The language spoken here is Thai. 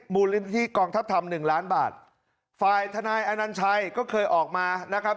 มูลลินทธีกองศัพทำ๑ล้านบาทฝ่ายธนายอันนันชัยก็เคยออกมานะครับ